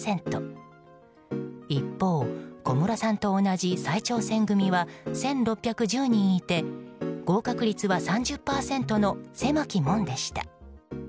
一方、小室さんと同じ再挑戦組は１６１０人いて合格率は３０％の狭き門でした。